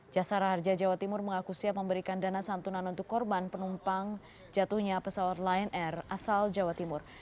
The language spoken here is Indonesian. jasara harja jawa timur mengaku siap memberikan dana santunan untuk korban penumpang jatuhnya pesawat lion air asal jawa timur